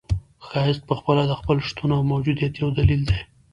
ښایست پخپله د خپل شتون او موجودیت یو دلیل دی.